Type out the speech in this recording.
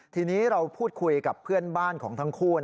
ทีนี้เราพูดคุยกับเพื่อนบ้านของทั้งคู่